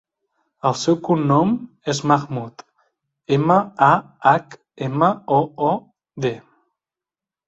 El seu cognom és Mahmood: ema, a, hac, ema, o, o, de.